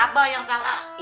abah yang salah